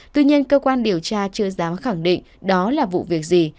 tuy nhiên cơ quan điều tra chưa dám khẳng định đó là vụ việc gì